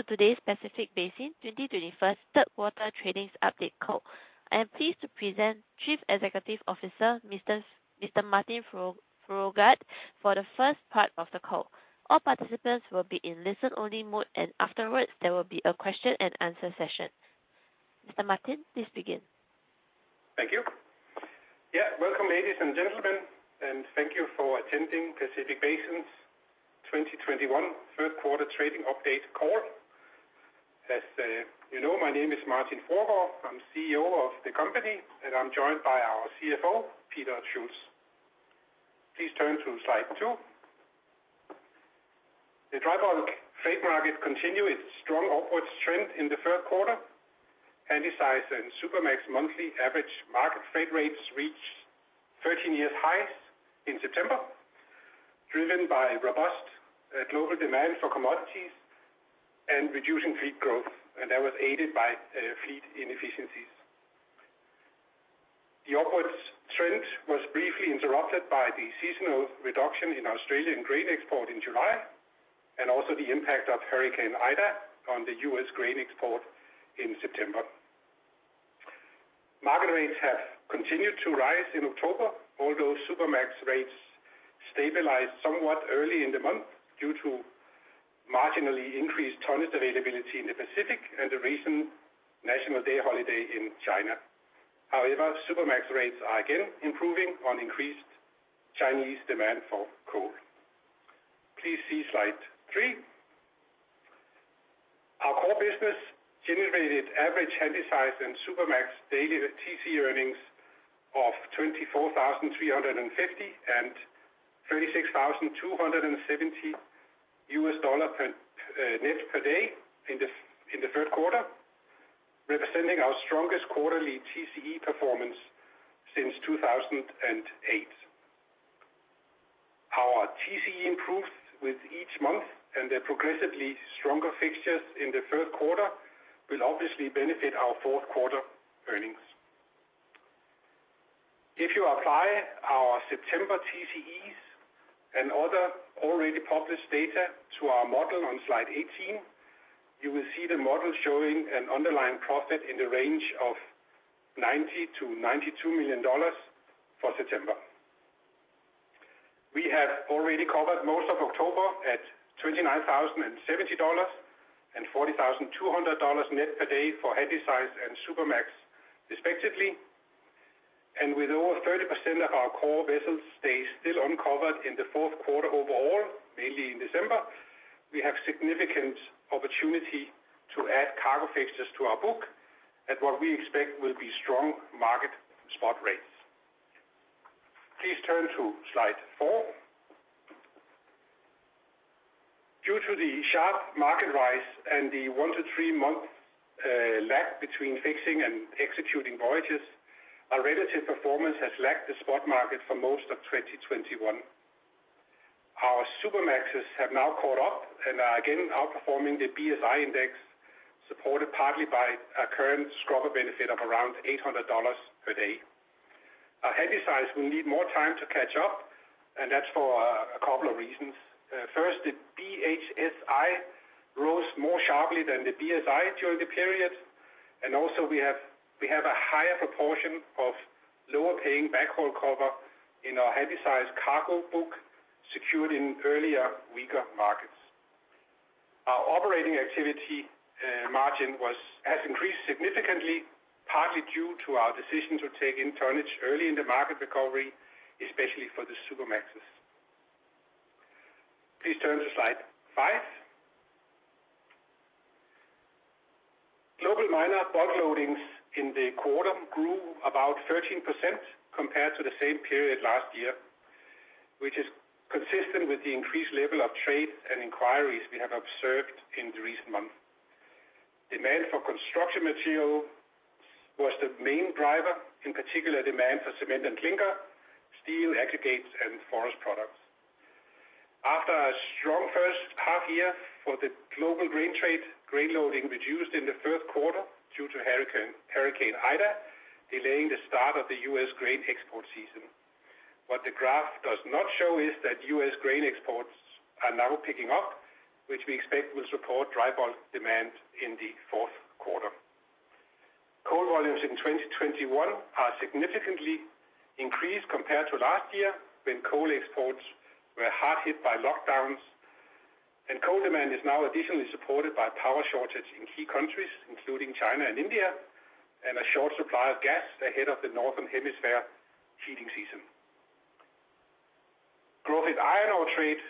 Welcome to today's Pacific Basin 2021 Q3 trading update call. I am pleased to present Chief Executive Officer, Mr. Martin Fruergaard, for the first part of the call. All participants will be in listen only mode. Afterwards, there will be a question and answer session. Mr. Martin, please begin. Thank you. Yeah, welcome, ladies and gentlemen, and thank you for attending Pacific Basin's 2021 Q3 trading update call. As you know, my name is Martin Fruergaard. I'm CEO of the company, and I'm joined by our CFO, Peter Schulz. Please turn to slide two. The dry bulk freight market continued its strong upwards trend in the Q3. Handysize and Supramax monthly average market freight rates reached 13-year highs in September, driven by robust global demand for commodities and reducing fleet growth, and that was aided by fleet inefficiencies. The upwards trend was briefly interrupted by the seasonal reduction in Australian grain export in July, and also the impact of Hurricane Ida on the U.S. grain export in September. Market rates have continued to rise in October, although Supramax rates stabilized somewhat early in the month due to marginally increased tonnage availability in the Pacific and the recent National Day holiday in China. Supramax rates are again improving on increased Chinese demand for coal. Please see slide three. Our core business generated average Handysize and Supramax daily TCE earnings of $24,350 and $36,270 net per day in the Q3, representing our strongest quarterly TCE performance since 2008. Our TCE improved with each month, and the progressively stronger fixtures in the Q3 will obviously benefit our Q4 earnings. If you apply our September TCEs and other already published data to our model on slide 18, you will see the model showing an underlying profit in the range of $90 million-$92 million for September. We have already covered most of October at $29,070 and $40,200 net per day for Handysize and Supramax respectively, and with over 30% of our core vessels days still uncovered in the Q4 overall, mainly in December, we have significant opportunity to add cargo fixtures to our book at what we expect will be strong market spot rates. Please turn to slide four. Due to the sharp market rise and the one to three month lag between fixing and executing voyages, our relative performance has lacked the spot market for most of 2021. Our Supramaxes have now caught up and are again outperforming the BSI index, supported partly by a current scrubber benefit of around $800 per day. Our Handysize will need more time to catch up, and that's for a couple of reasons. First, the BHSI rose more sharply than the BSI during the period. Also, we have a higher proportion of lower paying backhaul cover in our Handysize cargo book secured in earlier weaker markets. Our operating activity margin has increased significantly, partly due to our decision to take in tonnage early in the market recovery, especially for the Supramaxes. Please turn to slide five. Global minor bulk loadings in the quarter grew about 13% compared to the same period last year, which is consistent with the increased level of trade and inquiries we have observed in the recent months. Demand for construction material was the main driver, in particular demand for cement and clinker, steel, aggregates, and forest products. After a strong first half year for the global grain trade, grain loading reduced in the Q3 due to Hurricane Ida delaying the start of the U.S. grain export season. What the graph does not show is that U.S. grain exports are now picking up, which we expect will support dry bulk demand in the Q4. Coal volumes in 2021 have significantly increased compared to last year, when coal exports were hard hit by lockdowns. Coal demand is now additionally supported by power shortage in key countries, including China and India, and a short supply of gas ahead of the Northern Hemisphere heating season. Growth in iron ore trade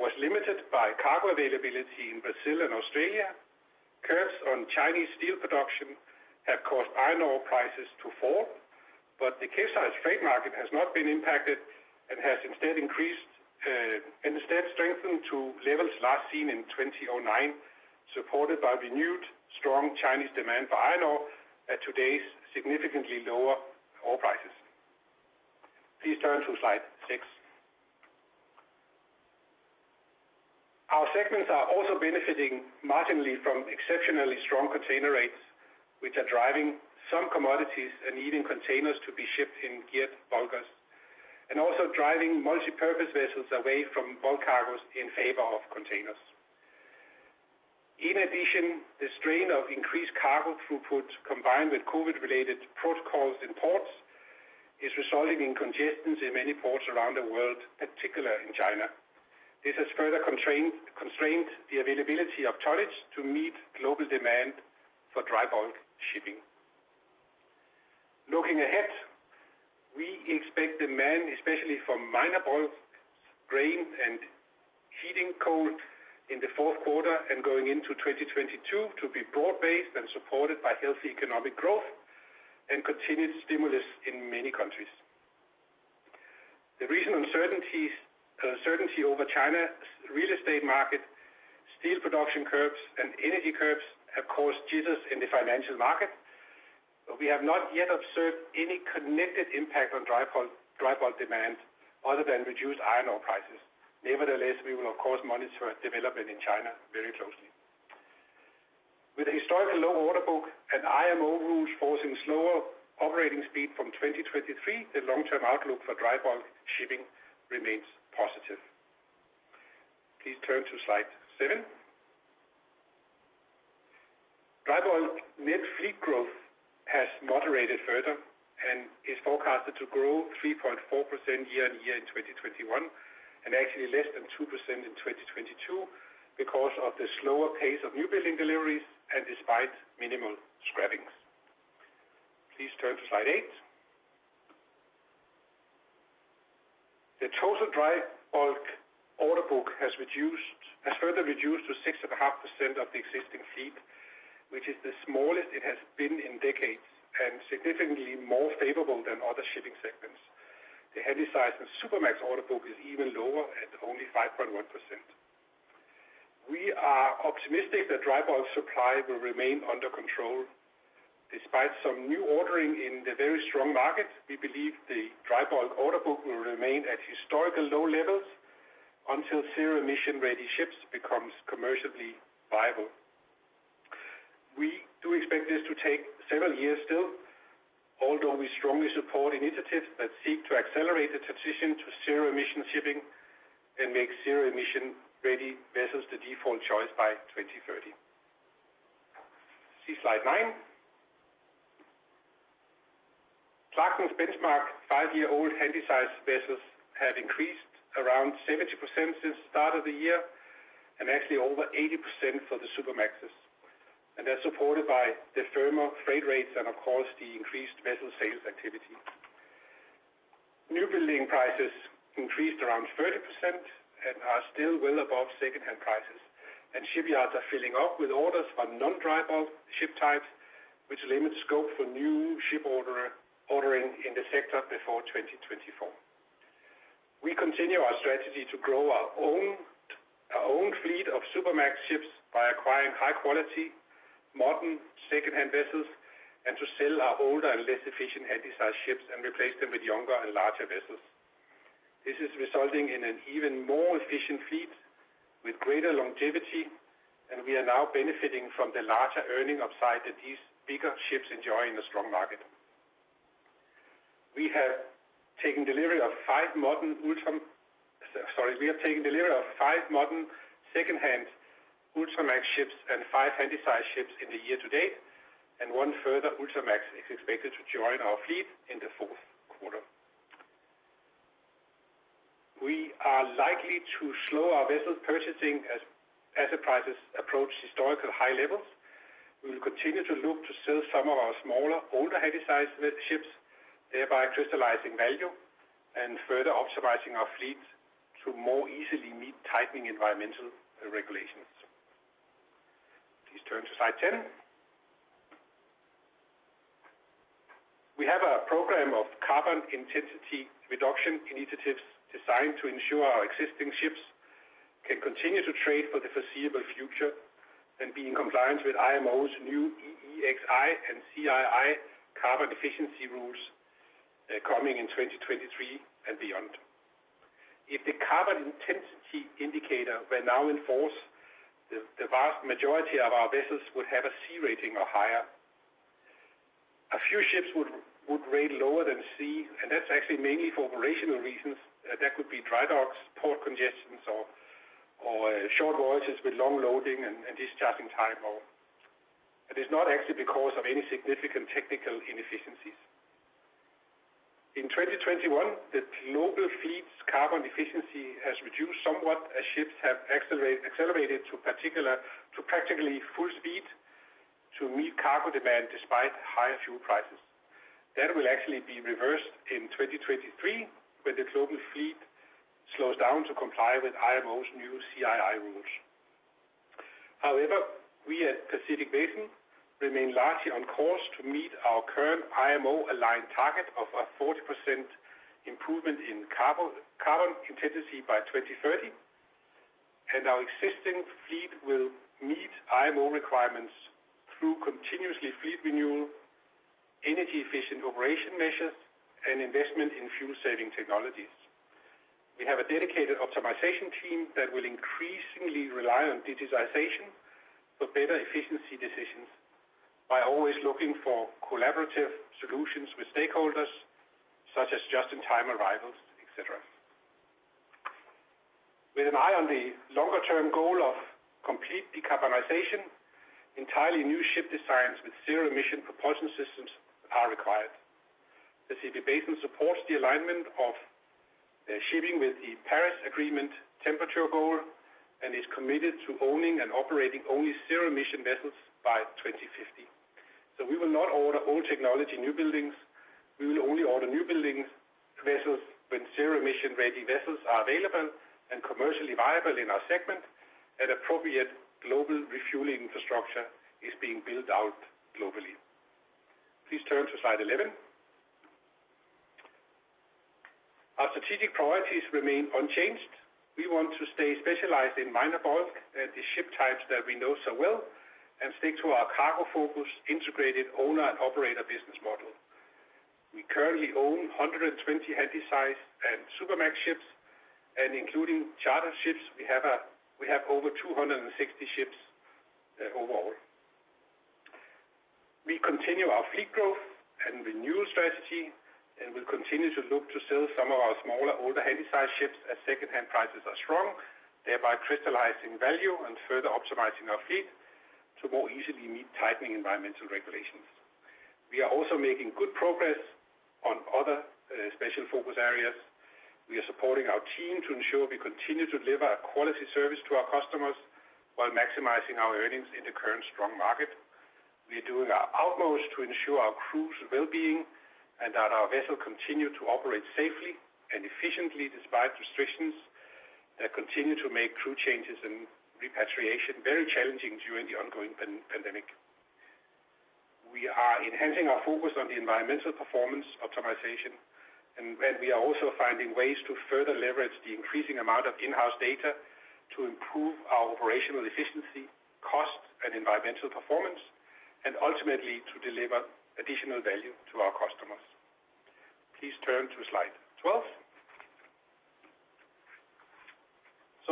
was limited by cargo availability in Brazil and Australia. Curbs on Chinese steel production have caused iron ore prices to fall, but the Capesize freight market has not been impacted and has instead strengthened to levels last seen in 2009, supported by renewed strong Chinese demand for iron ore at today's significantly lower ore prices. Please turn to slide six. Our segments are also benefiting marginally from exceptionally strong container rates, which are driving some commodities and even containers to be shipped in geared bulkers. Also driving multipurpose vessels away from bulk cargoes in favor of containers. In addition, the strain of increased cargo throughput, combined with COVID-related protocols in ports, is resulting in congestions in many ports around the world, particularly in China. This has further constrained the availability of tonnage to meet global demand for dry bulk shipping. Looking ahead, we expect demand, especially from minor bulk grain and heating coal in the Q4 and going into 2022 to be broad-based and supported by healthy economic growth and continued stimulus in many countries. The recent uncertainty over China's real estate market, steel production curbs and energy curbs have caused jitters in the financial market, but we have not yet observed any connected impact on dry bulk demand other than reduced iron ore prices. Nevertheless, we will of course monitor development in China very closely. With a historically low order book and IMO rules forcing slower operating speed from 2023, the long-term outlook for dry bulk shipping remains positive. Please turn to slide seven. Dry bulk net fleet growth has moderated further and is forecasted to grow 3.4% year-over-year in 2021 and actually less than 2% in 2022 because of the slower pace of new building deliveries and despite minimal scrappings. Please turn to slide eight. The total dry bulk order book has further reduced to 6.5% of the existing fleet, which is the smallest it has been in decades and significantly more favorable than other shipping segments. The Handysize and Supramax order book is even lower at only 5.1%. We are optimistic that dry bulk supply will remain under control. Despite some new ordering in the very strong market, we believe the dry bulk order book will remain at historical low levels until zero emission-ready ships becomes commercially viable. We do expect this to take several years still, although we strongly support initiatives that seek to accelerate the transition to zero emission shipping and make zero emission-ready vessels the default choice by 2030. See slide nine. Clarksons benchmark, five-year-old Handysize vessels have increased around 70% since start of the year and actually over 80% for the Supramaxes. They're supported by the firmer freight rates and of course the increased vessel sales activity. New building prices increased around 30% and are still well above secondhand prices. Shipyards are filling up with orders for non-dry bulk ship types, which limits scope for new ship ordering in the sector before 2024. We continue our strategy to grow our own fleet of Supramax ships by acquiring high quality, modern, secondhand vessels and to sell our older and less efficient Handysize ships and replace them with younger and larger vessels. This is resulting in an even more efficient fleet with greater longevity. We are now benefiting from the larger earning upside that these bigger ships enjoy in a strong market. We have taken delivery of five modern secondhand Ultramax ships and five Handysize ships in the year to date, and one further Ultramax is expected to join our fleet in the Q4. We are likely to slow our vessel purchasing as asset prices approach historical high levels. We will continue to look to sell some of our smaller, older Handysize ships, thereby crystallizing value and further optimizing our fleet to more easily meet tightening environmental regulations. Please turn to slide 10. We have a program of carbon intensity reduction initiatives designed to ensure our existing ships can continue to trade for the foreseeable future and be in compliance with IMO's new EEXI and CII carbon efficiency rules coming in 2023 and beyond. If the carbon intensity indicator were now in force, the vast majority of our vessels would have a C rating or higher. A few ships would rate lower than C, and that's actually mainly for operational reasons. That could be dry docks, port congestions or short voyages with long loading and discharging time. It is not actually because of any significant technical inefficiencies. In 2021, the global fleet's carbon efficiency has reduced somewhat as ships have accelerated to practically full speed to meet cargo demand despite higher fuel prices. That will actually be reversed in 2023 when the global fleet slows down to comply with IMO's new CII rules. We at Pacific Basin remain largely on course to meet our current IMO aligned target of a 40% improvement in carbon intensity by 2030 and our existing fleet will meet IMO requirements through continuously fleet renewal, energy efficient operation measures, and investment in fuel saving technologies. We have a dedicated optimization team that will increasingly rely on digitization for better efficiency decisions by always looking for collaborative solutions with stakeholders such as just-in-time arrivals, et cetera. With an eye on the longer-term goal of complete decarbonization, entirely new ship designs with zero emission propulsion systems are required. The Pacific Basin supports the alignment of shipping with the Paris Agreement temperature goal and is committed to owning and operating only zero emission vessels by 2050. We will not order old technology new buildings. We will only order new buildings vessels when zero emission-ready vessels are available and commercially viable in our segment at appropriate global refueling infrastructure is being built out globally. Please turn to slide 11. Our strategic priorities remain unchanged. We want to stay specialized in minor bulk and the ship types that we know so well and stick to our cargo-focused integrated owner and operator business model. We currently own 120 Handysize and Supramax ships. Including charter ships, we have over 260 ships overall. We continue our fleet growth and renewal strategy. We'll continue to look to sell some of our smaller, older Handysize ships as secondhand prices are strong, thereby crystallizing value and further optimizing our fleet to more easily meet tightening environmental regulations. We are also making good progress on other special focus areas. We are supporting our team to ensure we continue to deliver a quality service to our customers while maximizing our earnings in the current strong market. We are doing our utmost to ensure our crew's wellbeing and that our vessels continue to operate safely and efficiently despite restrictions that continue to make crew changes and repatriation very challenging during the ongoing pandemic. We are enhancing our focus on the environmental performance optimization, and we are also finding ways to further leverage the increasing amount of in-house data to improve our operational efficiency, cost, and environmental performance, and ultimately to deliver additional value to our customers. Please turn to slide 12.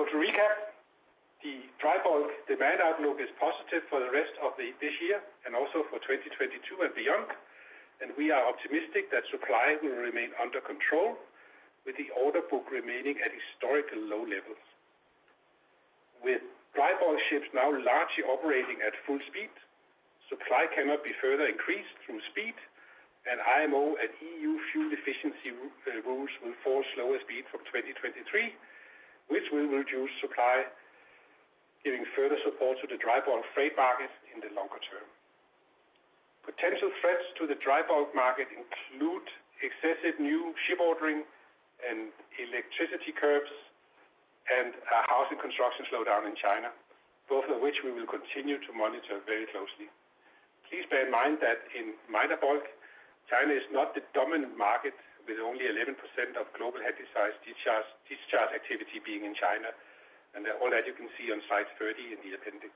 To recap, the dry bulk demand outlook is positive for the rest of this year and also for 2022 and beyond, and we are optimistic that supply will remain under control with the order book remaining at historical low levels. With dry bulk ships now largely operating at full speed, supply cannot be further increased through speed and IMO and EU fuel efficiency rules will force slower speed from 2023, Which will reduce supply, giving further support to the dry bulk freight market in the longer term. Potential threats to the dry bulk market include excessive new ship ordering and electricity curbs and a housing construction slowdown in China, both of which we will continue to monitor very closely. Please bear in mind that in minor bulk, China is not the dominant market, with only 11% of global Handysize discharge activity being in China, and all that you can see on slide 30 in the appendix.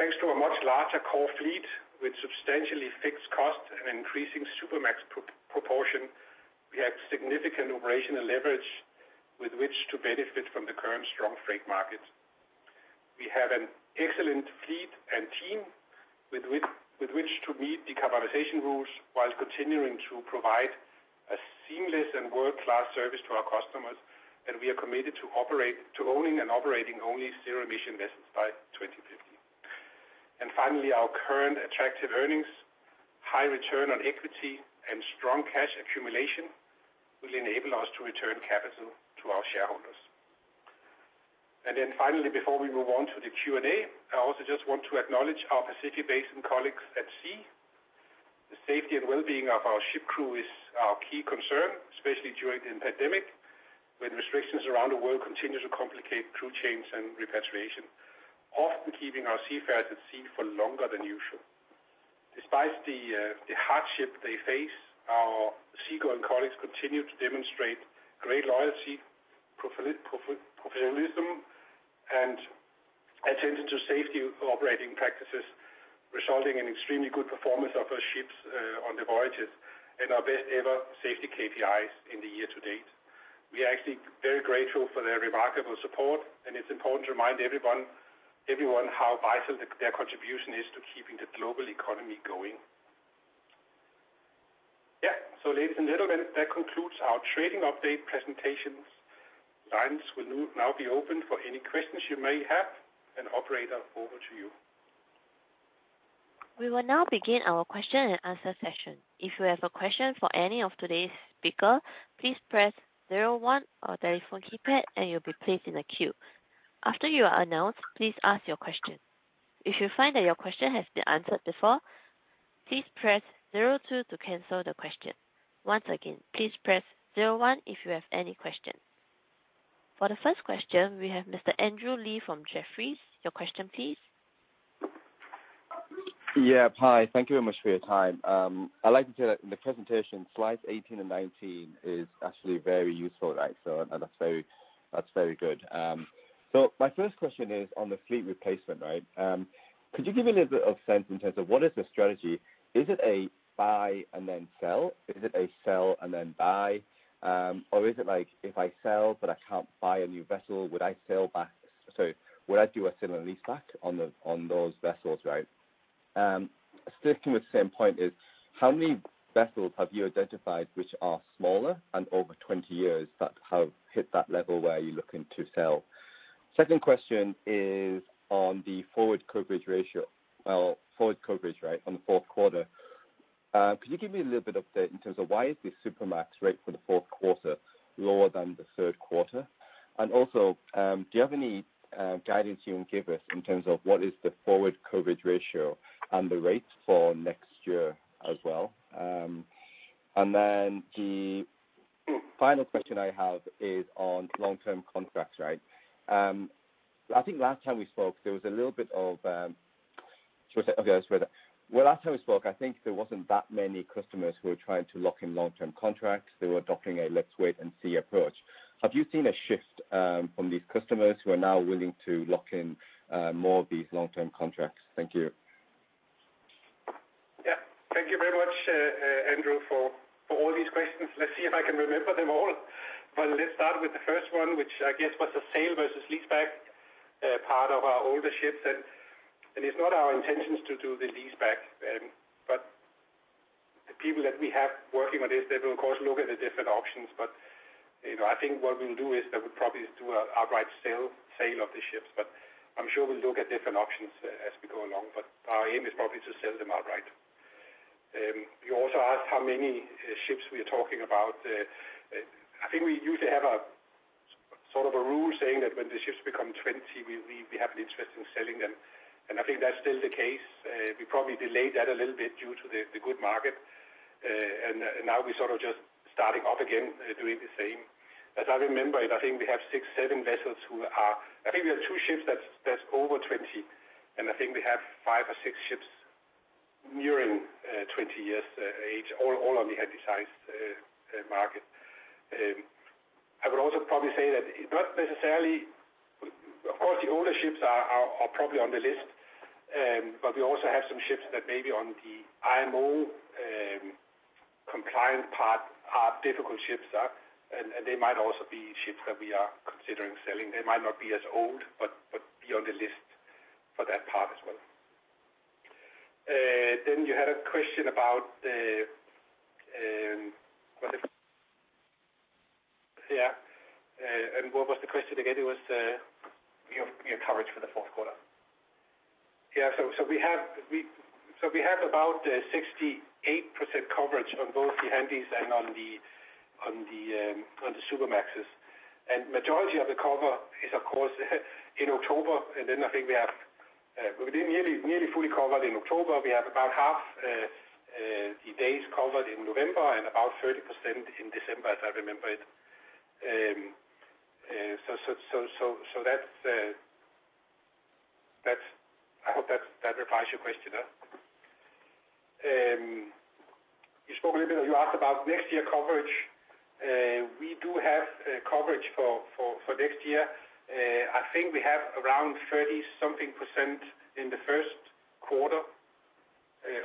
Thanks to a much larger core fleet with substantially fixed cost and increasing Supramax proportion, we have significant operational leverage with which to benefit from the current strong freight market. We have an excellent fleet and team with which to meet decarbonization rules while continuing to provide a seamless and world-class service to our customers, and we are committed to owning and operating only zero emission vessels by 2050. Finally, our current attractive earnings, high return on equity, and strong cash accumulation will enable us to return capital to our shareholders. Finally, before we move on to the Q&A, I also just want to acknowledge our Pacific Basin colleagues at sea. The safety and wellbeing of our ship crew is our key concern, especially during the pandemic, when restrictions around the world continue to complicate crew change and repatriation, often keeping our seafarers at sea for longer than usual. Despite the hardship they face, our seagoing colleagues continue to demonstrate great loyalty, professionalism and attention to safety operating practices, resulting in extremely good performance of our ships on the voyages and our best ever safety KPIs in the year to date. We are actually very grateful for their remarkable support, and it's important to remind everyone how vital their contribution is to keeping the global economy going. Ladies and gentlemen, that concludes our trading update presentation. Lines will now be open for any questions you may have, and operator, over to you. We will now begin our question and answer session. If you have a question for any of today's speakers, please press one on your telephone keypad and you'll be placed in a queue. After you are announced, please ask your question. If you find that your question has been answered before, please press two to cancel the question. Once again, please press one if you have any questions. For the first question, we have Mr. Andrew Lee from Jefferies. Your question, please. Hi. Thank you very much for your time. I'd like to say that in the presentation, slides 18 and 19 is actually very useful. That's very good. My first question is on the fleet replacement. Could you give me a little bit of sense in terms of what is the strategy? Is it a buy and then sell? Is it a sell and then buy? Is it like if I sell but I can't buy a new vessel, would I sell back? Would I do a similar leaseback on those vessels? Sticking with the same point is, how many vessels have you identified which are smaller and over 20 years that have hit that level where you're looking to sell? Second question is on the forward coverage ratio. Well, forward coverage on the Q4. Could you give me a little bit of update in terms of why is this Supramax rate for the Q4 lower than the Q3? Also, do you have any guidance you can give us in terms of what is the forward coverage ratio and the rates for next year as well? The final question I have is on long-term contracts. I think last time we spoke, Well, last time we spoke, I think there wasn't that many customers who were trying to lock in long-term contracts. They were adopting a let's-wait-and-see approach. Have you seen a shift from these customers who are now willing to lock in more of these long-term contracts? Thank you. Yeah. Thank you very much, Andrew, for all these questions. Let's see if I can remember them all. Let's start with the first one, which I guess was the sale versus leaseback part of our older ships. It's not our intentions to do the leaseback. The people that we have working on this, they will, of course, look at the different options. I think what we'll do is that we'll probably do an outright sale of the ships, but I'm sure we'll look at different options as we go along. Our aim is probably to sell them outright. You also asked how many ships we are talking about. I think we usually have a sort of a rule saying that when the ships become 20, we have an interest in selling them. I think that's still the case. We probably delayed that a little bit due to the good market. Now we're sort of just starting up again, doing the same. As I remember it, I think we have six, seven vessels. I think we have two ships that's over 20, and I think we have five or six ships nearing 20 years of age, all on the Handysize market. I would also probably say that not necessarily, of course, the older ships are probably on the list, but we also have some ships that may be on the IMO compliant part are difficult ships. They might also be ships that we are considering selling. They might not be as old, but be on the list for that part as well. You had a question about the. Yeah. What was the question again? Your coverage for the Q4. We have about 68% coverage on both the Handys and on the Supramaxes. Majority of the cover is, of course, in October. I think we have nearly fully covered in October. We have about half the days covered in November and about 30% in December, as I remember it. That's, I hope that replies your question. You asked about next year coverage. We do have coverage for next year. I think we have around 30 something% in the Q1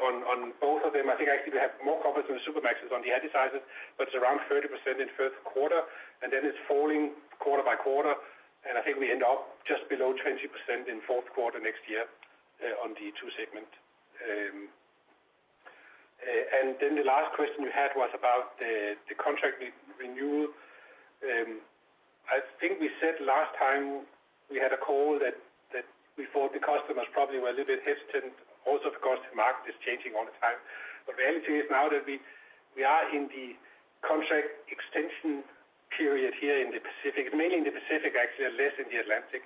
on both of them. I think actually we have more coverage on the Supramaxes on the Handysizes. It's around 30% in Q1. It's falling quarter-by-quarter. I think we end up just below 20% in Q4 next year on the two segment. The last question we had was about the contract renewal. I think we said last time we had a call that we thought the customers probably were a little bit hesitant. Of course, the market is changing all the time. The reality is now that we are in the contract extension period here in the Pacific, mainly in the Pacific, actually less in the Atlantic.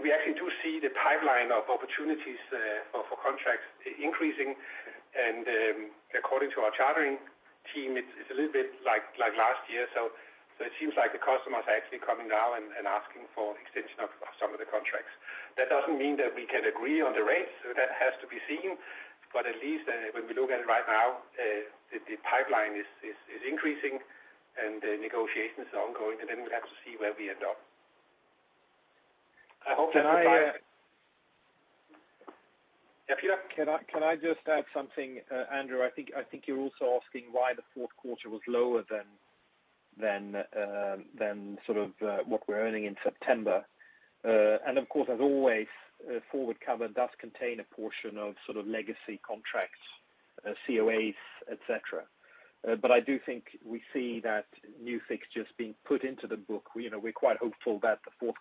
We actually do see the pipeline of opportunities for contracts increasing. According to our chartering team, it's a little bit like last year. It seems like the customers are actually coming now and asking for extension of some of the contracts. That doesn't mean that we can agree on the rates. That has to be seen. At least when we look at it right now, the pipeline is increasing and the negotiations are ongoing, and then we have to see where we end up. Can I, Yeah, please. Can I just add something, Andrew? I think you're also asking why the Q4 was lower than sort of what we're earning in September. Of course, as always, forward cover does contain a portion of sort of legacy contracts, COAs, et cetera. I do think we see that new fixtures being put into the book. We're quite hopeful that the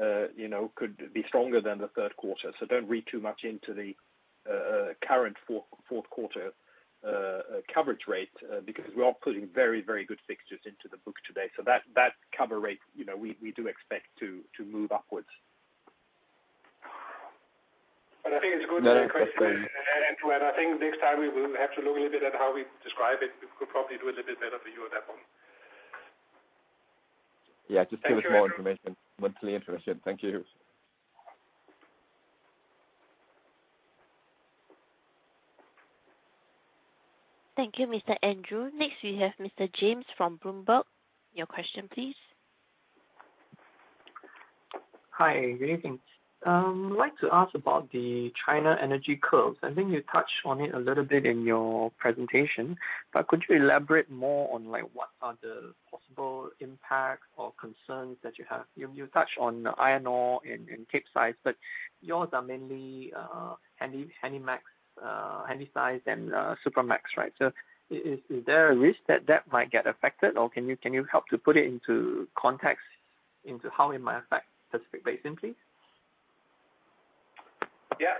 Q4 could be stronger than the Q3. Don't read too much into the current Q4 coverage rate, because we are putting very good fixtures into the book today. That cover rate, we do expect to move upwards. I think it's good question, Andrew, and I think next time we will have to look a little bit at how we describe it. We could probably do a little bit better for you on that one. Yeah, just give us more information. We're clearly interested. Thank you. Thank you, Mr. Andrew. Next, we have Mr. James from Bloomberg. Your question, please. Hi, good evening. I'd like to ask about the China energy curbs. I think you touched on it a little bit in your presentation, but could you elaborate more on what are the possible impacts or concerns that you have? You touched on iron ore and Capesize, but yours are mainly Handysize and Supramax, right? Is there a risk that might get affected, or can you help to put it into context into how it might affect Pacific Basin, please? Yeah.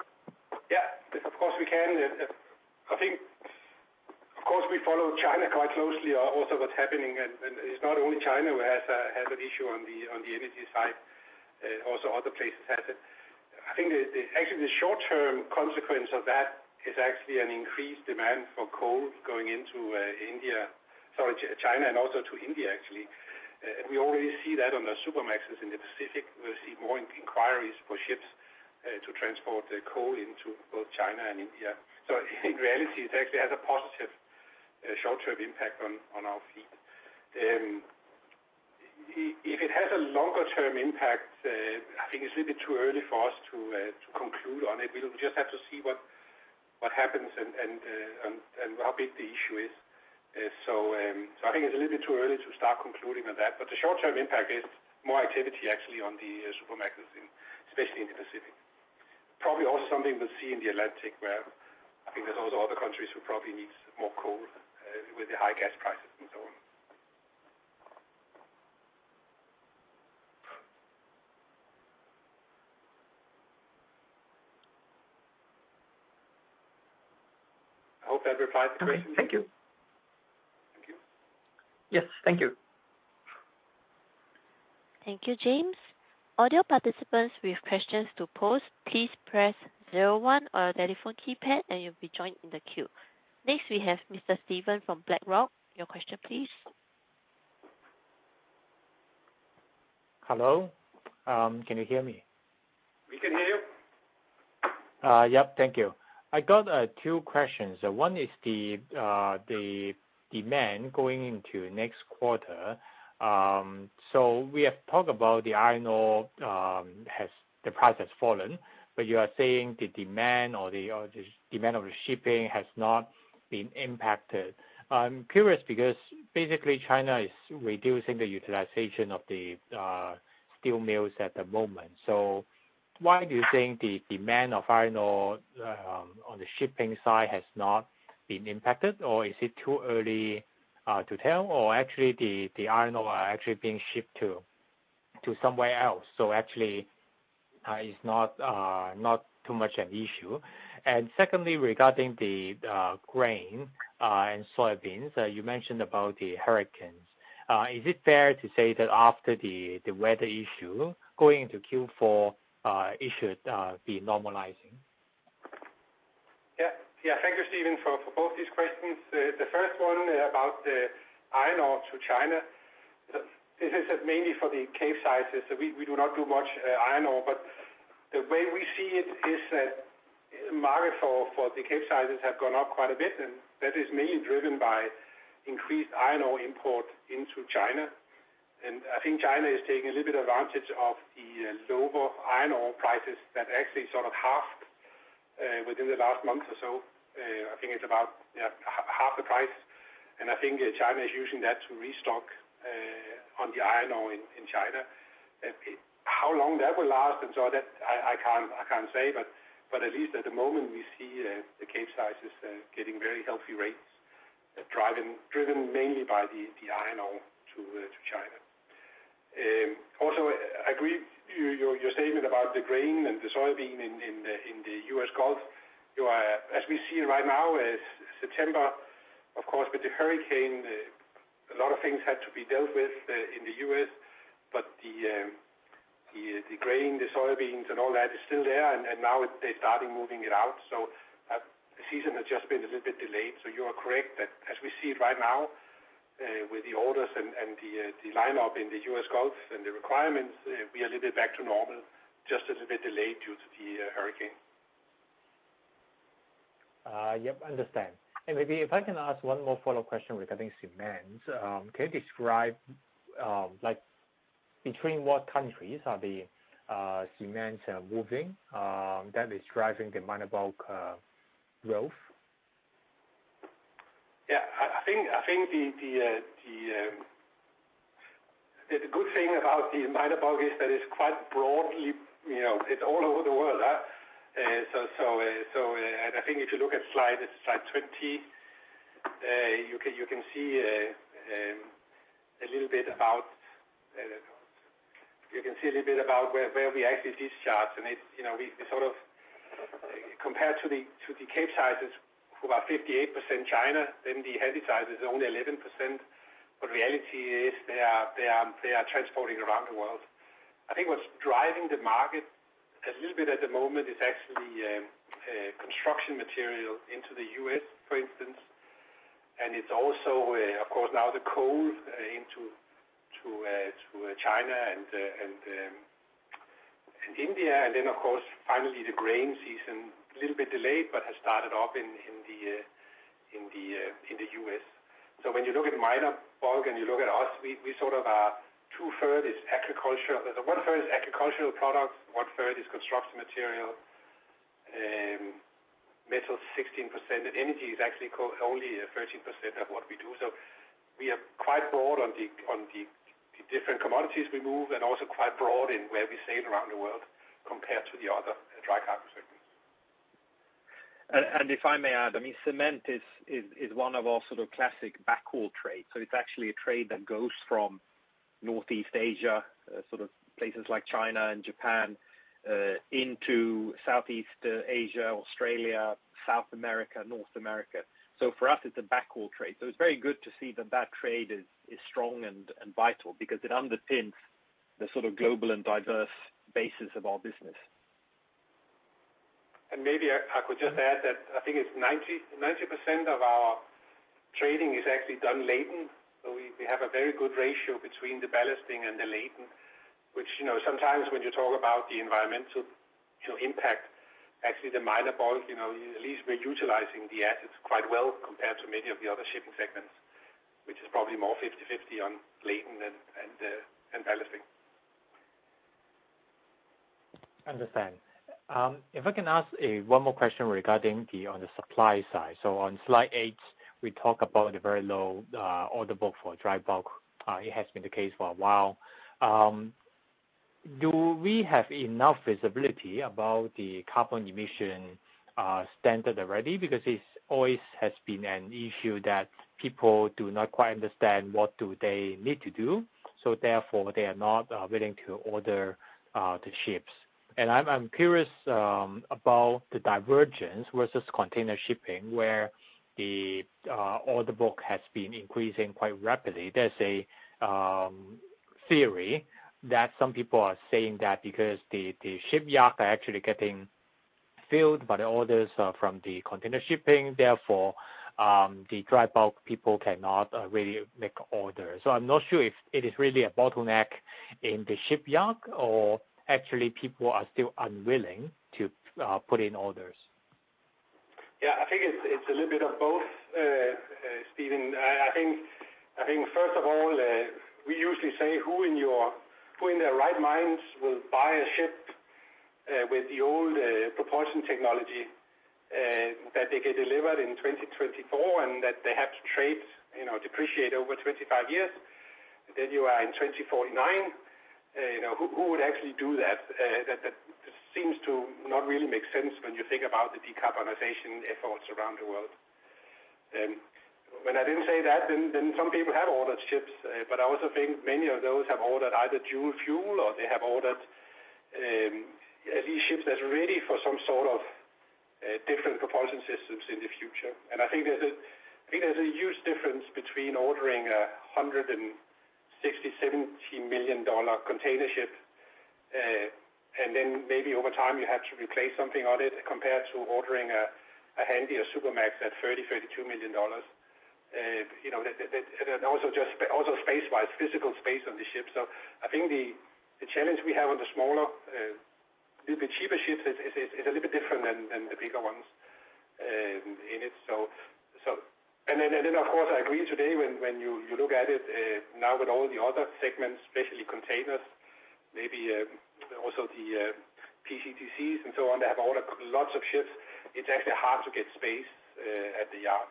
Of course, we can. I think, of course, we follow China quite closely, also what's happening. It's not only China who has an issue on the energy side, also other places have it. I think, actually, the short-term consequence of that is actually an increased demand for coal going into China and also to India, actually. We already see that on the Supramaxes in the Pacific. We'll see more inquiries for ships to transport coal into both China and India. In reality, it actually has a positive short-term impact on our fleet. If it has a longer-term impact, I think it's a little bit too early for us to conclude on it. We'll just have to see what happens and how big the issue is. I think it's a little bit too early to start concluding on that. The short-term impact is more activity actually on the Supramaxes, especially in the Pacific. Probably also something we'll see in the Atlantic, where I think there's also other countries who probably need more coal with the high gas prices and so on. I hope that replies the question. Okay. Thank you. Thank you. Yes. Thank you. Thank you, James. All you participants with questions to pose, please press zero one on your telephone keypad and you'll be joined in the queue. Next, we have Mr. Steven Leong from BlackRock. Your question, please. Hello. Can you hear me? We can hear you. Yep. Thank you. I got two questions. One is the demand going into next quarter. We have talked about the iron ore, the price has fallen, but you are saying the demand or the demand of the shipping has not been impacted. I'm curious because basically China is reducing the utilization of the steel mills at the moment. Why do you think the demand of iron ore on the shipping side has not been impacted, or is it too early to tell, or actually the iron ore are actually being shipped to somewhere else, so actually it's not too much an issue? Secondly, regarding the grain and soybeans, you mentioned about the hurricanes. Is it fair to say that after the weather issue, going into Q4, it should be normalizing? Yeah. Thank you, Steven, for both these questions. The first one about the iron ore to China, this is mainly for the Capesizes. We do not do much iron ore, but the way we see it is that market for the Capesizes have gone up quite a bit, that is mainly driven by increased iron ore import into China. I think China is taking a little bit advantage of the lower iron ore prices that actually sort of halved within the last month or so. I think it's about half the price. I think China is using that to restock on the iron ore in China. How long that will last, I can't say, but at least at the moment, we see the Capesizes getting very healthy rates driven mainly by the iron ore to China. I agree with your statement about the grain and the soybean in the U.S. Gulf. As we see right now, it's September. Of course, with the hurricane, a lot of things had to be dealt with in the U.S., the grain, the soybeans and all that is still there, now they're starting moving it out. The season has just been a little bit delayed. You are correct that as we see it right now, with the orders and the lineup in the U.S. Gulf and the requirements, we are a little bit back to normal, just a little bit delayed due to the hurricane. Yep. Understand. Maybe if I can ask one more follow-up question regarding cement. Can you describe between what countries are the cements moving that is driving the minor bulk growth? I think the good thing about the minor bulk is that it's quite broadly, it's all over the world. I think if you look at slide 20, you can see a little bit about where we actually discharge. Compared to the Capesizes, who are 58% China, then the Handysizes are only 11%, but reality is they are transporting around the world. I think what's driving the market a little bit at the moment is actually construction material into the U.S., for instance. It's also, of course, now the coal into China and India. Then, of course, finally the grain season, a little bit delayed, but has started up in the U.S. When you look at minor bulk and you look at us, we sort of are two-thirds agriculture. One-third is agricultural products, one-third is construction material, metal 16%, energy is actually only 13% of what we do. We are quite broad on the different commodities we move, also quite broad in where we sail around the world compared to the other dry cargo segments. If I may add, cement is one of our sort of classic backhaul trades. It's actually a trade that goes from Northeast Asia, places like China and Japan, into Southeast Asia, Australia, South America, North America. For us, it's a backhaul trade. It's very good to see that that trade is strong and vital because it underpins the sort of global and diverse basis of our business. Maybe I could just add that I think it's 90% of our trading is actually done laden. We have a very good ratio between the ballasting and the laden, which sometimes when you talk about the environmental impact, actually the minor bulk, at least we're utilizing the assets quite well compared to many of the other shipping segments, which is probably more 50/50 on laden and ballasting. Understand. If I can ask one more question regarding on the supply side. On slide eight, we talk about the very low order book for dry bulk. It has been the case for a while. Do we have enough visibility about the carbon emission standard already? It always has been an issue that people do not quite understand what do they need to do, so therefore, they are not willing to order the ships. I'm curious about the divergence versus container shipping, where the order book has been increasing quite rapidly. There's a theory that some people are saying that because the shipyards are actually getting filled by the orders from the container shipping, therefore, the dry bulk people cannot really make orders. I'm not sure if it is really a bottleneck in the shipyard or actually people are still unwilling to put in orders. Yeah, I think it's a little bit of both, Steven. I think first of all, we usually say, who in their right minds will buy a ship with the old propulsion technology that they get delivered in 2024 and that they have to trade, depreciate over 25 years? You are in 2049. Who would actually do that? That seems to not really make sense when you think about the decarbonization efforts around the world. When I didn't say that, some people have ordered ships. I also think many of those have ordered either dual fuel or they have ordered these ships that's ready for some sort of different propulsion systems in the future. I think there's a huge difference between ordering a $160 million, $170 million container ship, then maybe over time you have to replace something on it compared to ordering a Handysize or Supramax at $30 million, $32 million. Also space-wise, physical space on the ship. I think the challenge we have on the smaller, a little bit cheaper ships is a little bit different than the bigger ones in it. Of course, I agree today when you look at it now with all the other segments, especially containers, maybe also the PCTC and so on, they have ordered lots of ships. It's actually hard to get space at the yards.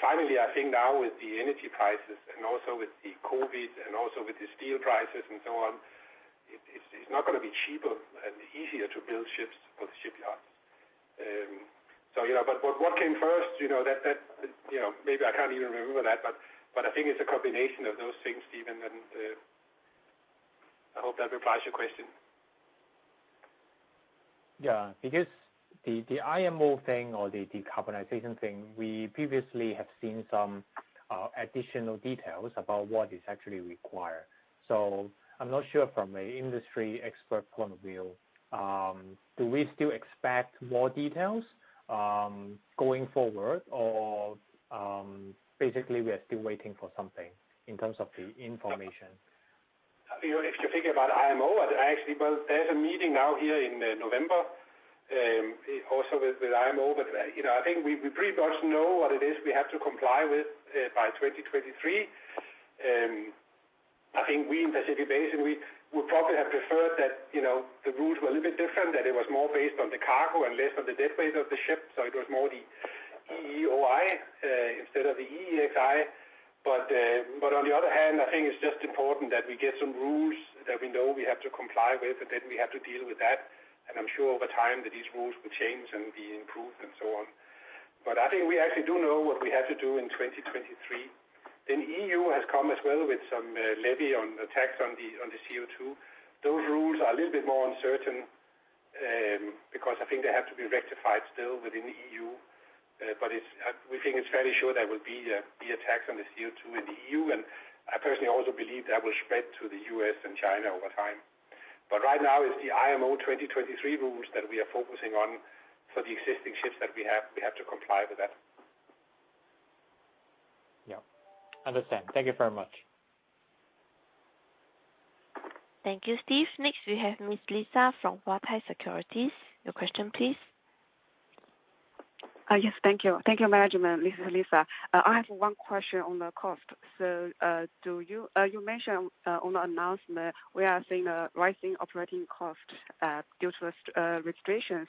Finally, I think now with the energy prices and also with the COVID, and also with the steel prices and so on, it's not going to be cheaper and easier to build ships for the shipyards. What came first, maybe I can't even remember that, but I think it's a combination of those things, Steven, and I hope that replies your question. Yeah, the IMO thing or the decarbonization thing, we previously have seen some additional details about what is actually required. I'm not sure from an industry expert point of view, do we still expect more details going forward or basically we are still waiting for something in terms of the information? If you think about IMO, actually, well, there's a meeting now here in November also with IMO. I think we pretty much know what it is we have to comply with by 2023. I think we in Pacific Basin, we probably have preferred that the rules were a little bit different, that it was more based on the cargo and less on the deadweight of the ship. It was more the EEOI instead of the EEXI. On the other hand, I think it's just important that we get some rules that we know we have to comply with, and then we have to deal with that. I'm sure over time that these rules will change and be improved and so on. I think we actually do know what we have to do in 2023. EU has come as well with some levy on the tax on the CO2. Those rules are a little bit more uncertain because I think they have to be rectified still within the EU. We think it's fairly sure there will be a tax on the CO2 in the EU, and I personally also believe that will spread to the U.S. and China over time. Right now it's the IMO 2023 rules that we are focusing on for the existing ships that we have. We have to comply with that. Yeah. Understand. Thank you very much. Thank you, Steven. Next we have Ms. Lisa Lin from Huatai Securities. Your question, please. Yes, thank you. Thank you, management. This is Lisa. I have one question on the cost. You mentioned on the announcement we are seeing a rising operating cost due to restrictions.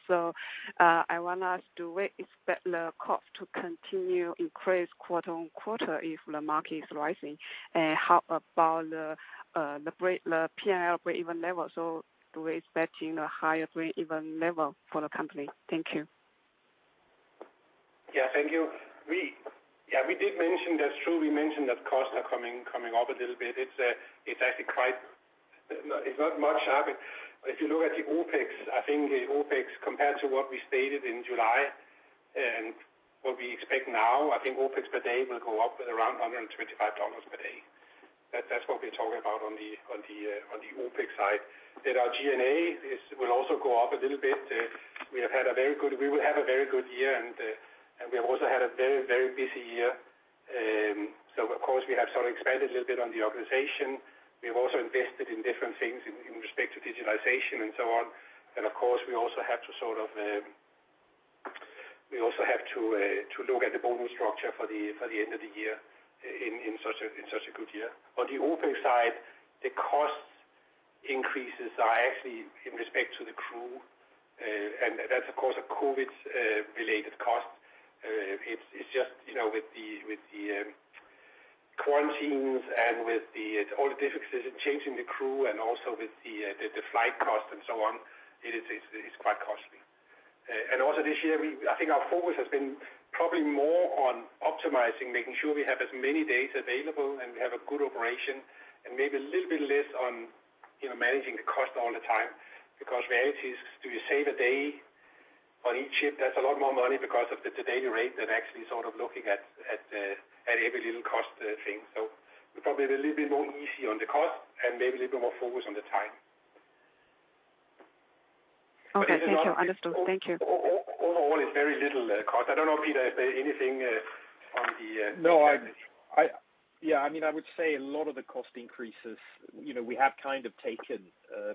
I want to ask, do we expect the cost to continue increase quarter-on-quarter if the market is rising? How about the P&L breakeven level? Do we expect a higher breakeven level for the company? Thank you. Thank you. That's true, we mentioned that costs are coming up a little bit. It's not much up. If you look at the OpEx, I think OpEx compared to what we stated in July and what we expect now, I think OpEx per day will go up with around $125 per day. That's what we're talking about on the OpEx side. Our G&A will also go up a little bit. We will have a very good year, and we have also had a very busy year. Of course, we have expanded a little bit on the organization. We have also invested in different things in respect to digitalization and so on. Of course, we also have to look at the bonus structure for the end of the year in such a good year. On the OpEx side, the cost increases are actually in respect to the crew, that's of course, a COVID-related cost. It's just with the quarantines and with all the difficulties in changing the crew and also with the flight cost and so on, it is quite costly. Also this year, I think our focus has been probably more on optimizing, making sure we have as many days available and we have a good operation, and maybe a little bit less on managing the cost all the time. The reality is, if you save a day on each ship, that's a lot more money because of the daily rate than actually looking at every little cost thing. We're probably a little bit more easy on the cost and maybe a little bit more focused on the time. Okay. Thank you. Understood. Thank you. Overall, it's very little cost. I don't know, Peter. I would say a lot of the cost increases, we have kind of taken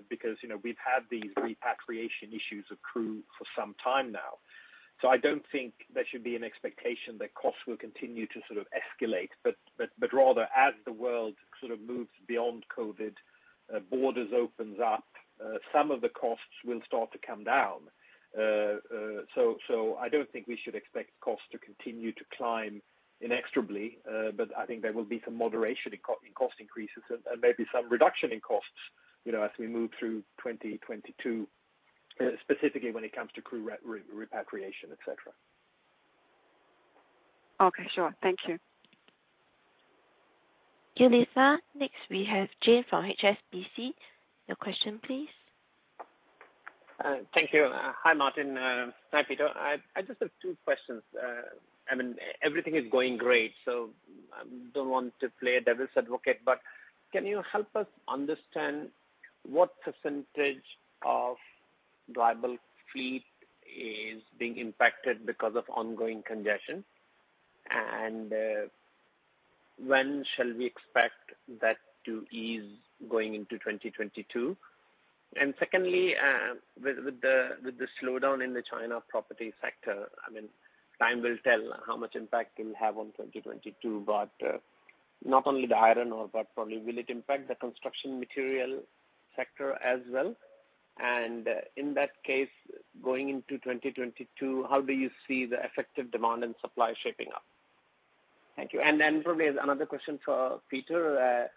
because we've had these repatriation issues of crew for some time now. I don't think there should be an expectation that costs will continue to escalate, but rather, as the world moves beyond COVID, borders opens up, some of the costs will start to come down. I don't think we should expect costs to continue to climb inexorably, but I think there will be some moderation in cost increases and maybe some reduction in costs as we move through 2022, specifically when it comes to crew repatriation, et cetera. Okay. Sure. Thank you. Thank you, Lisa. Next, we have Parash Jain from HSBC. Your question, please. Thank you. Hi, Martin. Hi, Peter. I just have two questions. Everything is going great, so I don't want to play devil's advocate, but can you help us understand what % of dry bulk fleet is being impacted because of ongoing congestion? When shall we expect that to ease going into 2022? Secondly, with the slowdown in the China property sector, time will tell how much impact it'll have on 2022, but not only the iron ore, but probably will it impact the construction material sector as well? In that case, going into 2022, how do you see the effective demand and supply shaping up? Thank you. Probably another question for Peter.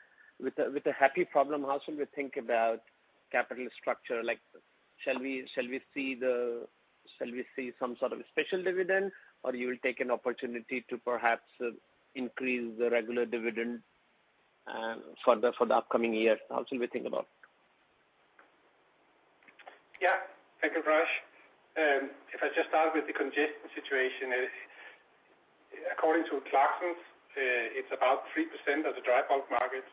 With a happy problem, how should we think about capital structure? Shall we see some sort of special dividend, or you will take an opportunity to perhaps increase the regular dividend further for the upcoming year? How should we think about it? Thank you, Parash. If I just start with the congestion situation. According to Clarksons, it's about 3% of the dry bulk market.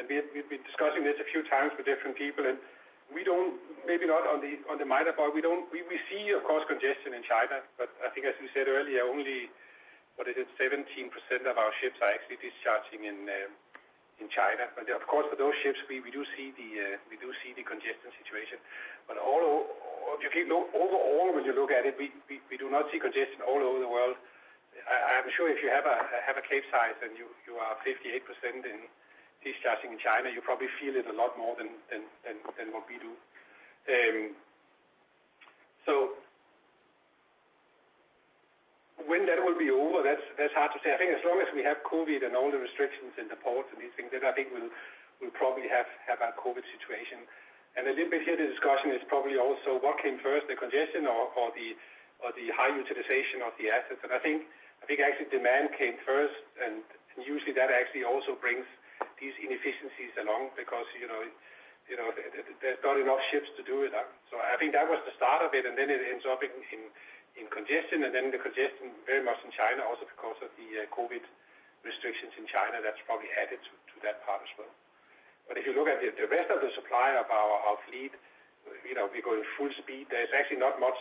We've been discussing this a few times with different people, and maybe not on the minor part. We see, of course, congestion in China, but I think as we said earlier, only, what is it? 17% of our ships are actually discharging in China. Of course, for those ships, we do see the congestion situation. Overall, when you look at it, we do not see congestion all over the world. I am sure if you have a Capesize and you are 58% in discharging in China, you probably feel it a lot more than what we do. When that will be over, that's hard to say. I think as long as we have COVID and all the restrictions in the ports and these things, then I think we'll probably have a COVID situation. A little bit here, the discussion is probably also what came first, the congestion or the high utilization of the assets? I think actually demand came first, and usually that actually also brings these inefficiencies along because there's not enough ships to do it. I think that was the start of it, and then it ends up in congestion, and then the congestion very much in China also because of the COVID restrictions in China, that's probably added to that part as well. If you look at the rest of the supply of our fleet, we're going full speed. There's actually not much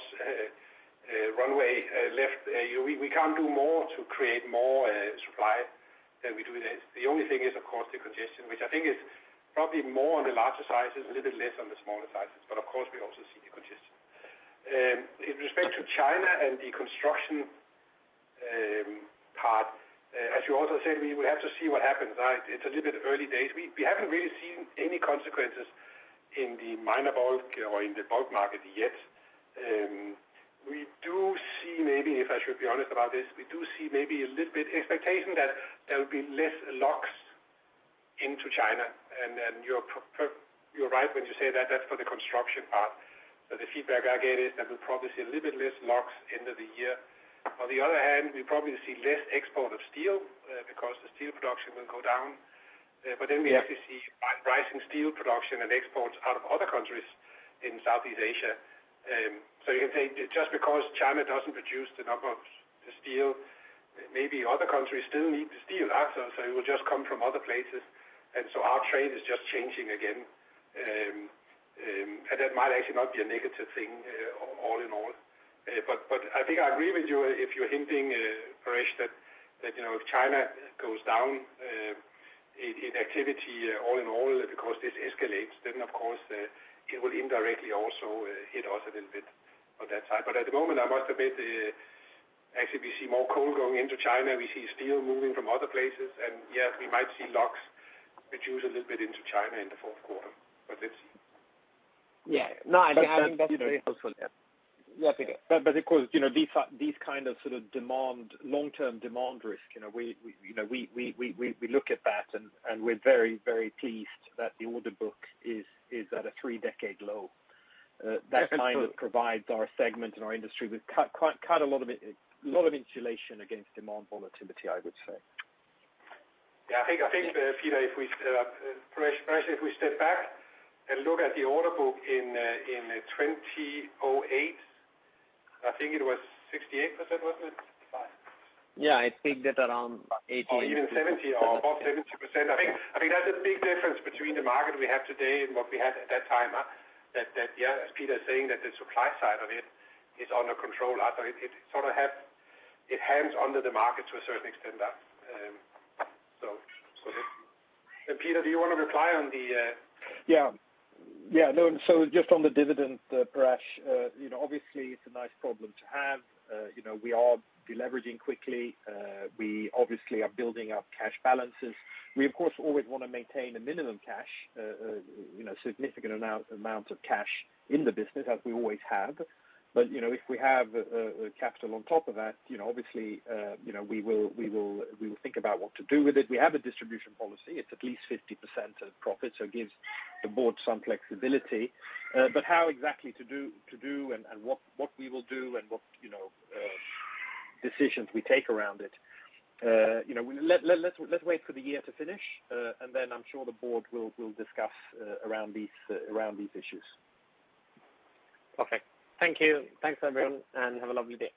runway left. We can't do more to create more supply than we do today. The only thing is, of course, the congestion, which I think is probably more on the larger sizes, a little less on the smaller sizes. Of course, we also see the congestion. In respect to China and the construction part, as you also said, we have to see what happens. It's a little bit early days. We haven't really seen any consequences in the minor bulk or in the bulk market yet. We do see maybe, if I should be honest about this, we do see maybe a little bit expectation that there will be less logs into China. You're right when you say that's for the construction part. The feedback I get is that we'll probably see a little bit less logs end of the year. On the other hand, we probably see less export of steel because the steel production will go down. We actually see rising steel production and exports out of other countries in Southeast Asia. You can say just because China doesn't produce the number of steel, maybe other countries still need the steel after, so it will just come from other places. Our trade is just changing again. That might actually not be a negative thing all in all. I think I agree with you if you're hinting, Parash, that if China goes down in activity all in all because this escalates, then of course, it will indirectly also hit us a little bit on that side. At the moment, I must admit, actually we see more coal going into China. We see steel moving from other places. Yes, we might see logs reduce a little bit into China in the Q4. Yeah. No, I think that's very helpful. Yeah. Of course, these kind of long term demand risk, we look at that and we're very pleased that the order book is at a three-decade low. That kind of provides our segment and our industry with quite a lot of insulation against demand volatility, I would say. Yeah. I think, Peter, Parash, if we step back and look at the order book in 2008, I think it was 68%, wasn't it? Yeah, I think that around 80. Or even 70 or above 70%. I think that's a big difference between the market we have today and what we had at that time. That, yeah, as Peter is saying, that the supply side of it is under control after it sort of hands over the market to a certain extent. Peter, do you want to reply on the- Yeah. Just on the dividend, Parash, obviously it's a nice problem to have. We are de-leveraging quickly. We obviously are building up cash balances. We, of course, always want to maintain a minimum cash, significant amount of cash in the business as we always have. If we have a capital on top of that, obviously, we will think about what to do with it. We have a distribution policy. It's at least 50% of profit, it gives the board some flexibility. How exactly to do and what we will do and what decisions we take around it, let's wait for the year to finish, then I'm sure the board will discuss around these issues. Okay. Thank you. Thanks, everyone. Have a lovely day.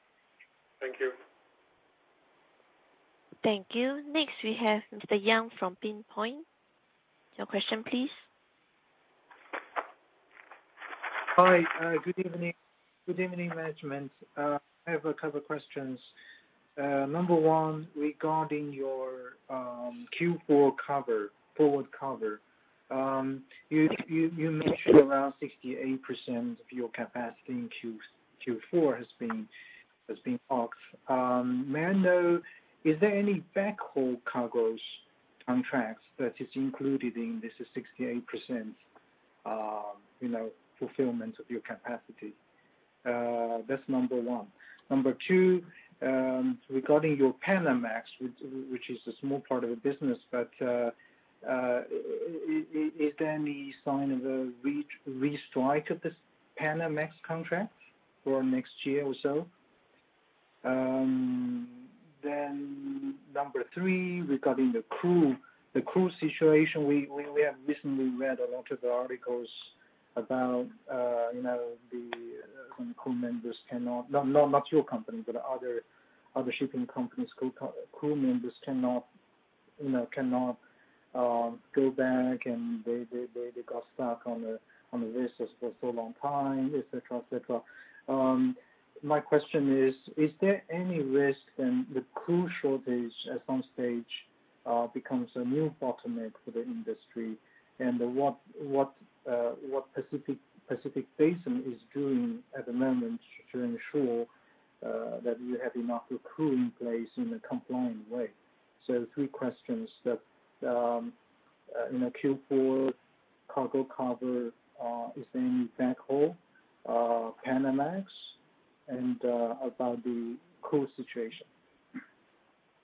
Thank you. Thank you. Next, we have Mr. Yang Liu from Pinpoint. Your question, please. Hi. Good evening. Good evening, management. I have a couple questions. Number one, regarding your Q4 cover, forward cover. You mentioned around 68% of your capacity in Q4 has been parked. May I know, is there any backhaul cargoes contracts that is included in this 68% fulfillment of your capacity? That's number one. Number two, regarding your Panamax, which is a small part of the business, is there any sign of a restrike of this Panamax contract for next year or so? Number three, regarding the crew situation, we have recently read a lot of the articles about the crew members cannot No, not your company, but other shipping companies, crew members cannot go back and they got stuck on the vessels for so long time, et cetera. My question is: Is there any risk in the crew shortage at some stage becomes a new bottleneck for the industry? What Pacific Basin is doing at the moment to ensure that you have enough crew in place in a compliant way? Three questions that, in the Q4 cargo cover is in backhaul, Panamax, and about the crew situation.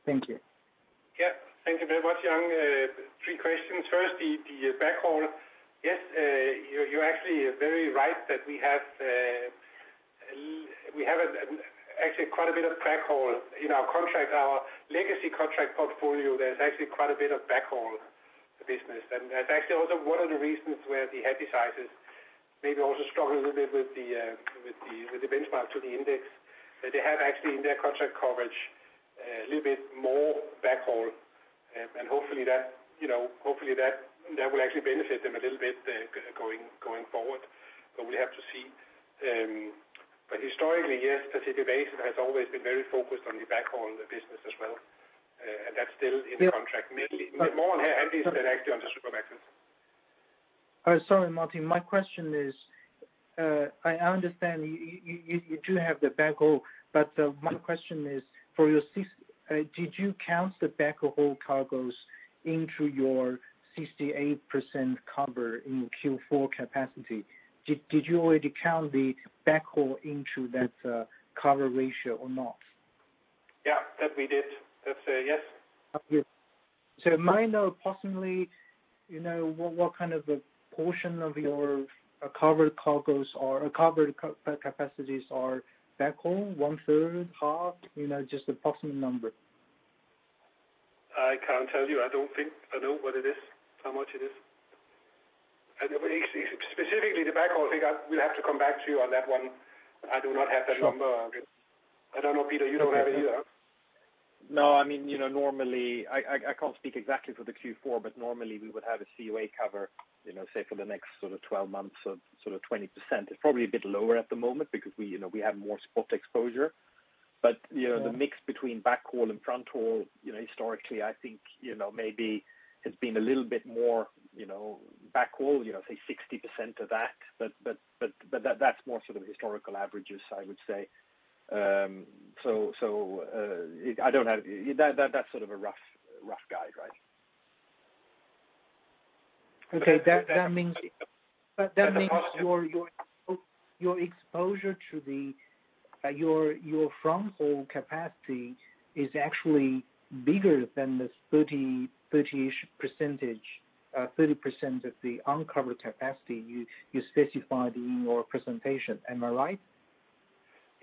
Thank you. Yeah. Thank you very much, Yang. Three questions. First, the backhaul. Yes, you're actually very right that we have actually quite a bit of backhaul in our contract, our legacy contract portfolio, there's actually quite a bit of backhaul business. That's actually also one of the reasons where the Handysizes also struggle a little bit with the benchmark to the index. They have actually, in their contract coverage, a little bit more backhaul. Hopefully that will actually benefit them a little bit going forward. We have to see. Historically, yes, Pacific Basin has always been very focused on the backhaul business as well. That's still in the contract, maybe more Handy than actually under Supramaxes. Sorry, Martin. My question is, I understand you do have the backhaul, but my question is, did you count the backhaul cargoes into your 68% cover in Q4 capacity? Did you already count the backhaul into that cover ratio or not? Yeah, that we did. That's a yes. Okay. Might know approximately what kind of a portion of your covered capacities are backhaul, one third, half? Just approximate number. I can't tell you. I don't know what it is, how much it is. Specifically the backhaul thing, we'll have to come back to you on that one. I do not have that number. Sure. Okay. I don't know, Peter, you don't have it either? No, I mean, normally, I can't speak exactly for the Q4, normally we would have a COA cover, say, for the next sort of 12 months of sort of 20%. It's probably a bit lower at the moment because we have more spot exposure. The mix between backhaul and fronthaul, historically, I think, maybe has been a little bit more backhaul, say 60% of that's more sort of historical averages, I would say. I don't have it. That's sort of a rough guide, right? Okay. That means your exposure to your fronthaul capacity is actually bigger than this 30-ish %, 30% of the uncovered capacity you specified in your presentation. Am I right?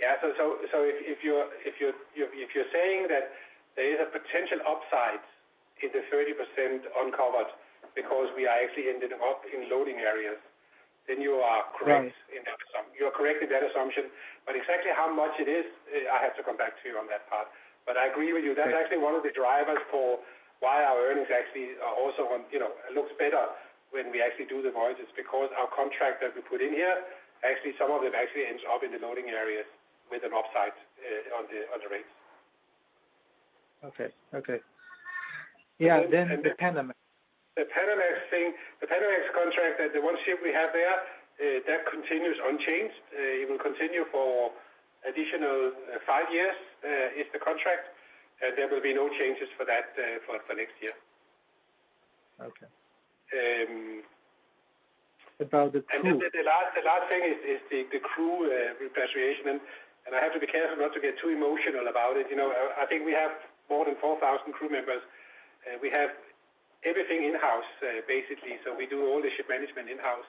Yeah. If you're saying that there is a potential upside in the 30% uncovered because we are actually ended up in loading areas, then you are correct in that assumption. Exactly how much it is, I have to come back to you on that part. I agree with you. That's actually one of the drivers for why our earnings actually also looks better when we actually do the voyages, because our contract that we put in here, actually some of it actually ends up in the loading areas with an upside on the rates. Okay. Yeah. The Panamax. The Panamax thing, the Panamax contract, the one ship we have there, that continues unchanged. It will continue for additional 5 years, is the contract. There will be no changes for that for next year. Okay. About the crew. The last thing is the crew repatriation. I have to be careful not to get too emotional about it. I think we have more than 4,000 crew members. We have everything in-house, basically. We do all the ship management in-house.